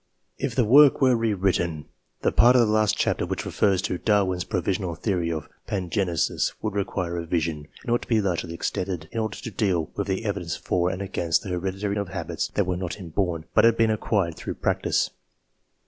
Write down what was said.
If the work were rewritten, the part of the last chapter which refers to Darwin's provisional theory of pangenesis would require revision, and ought to be largely extended, in order to deal with the evidence for and against the hereditary transmission of habits that were not inborn, but had been acquired through practice.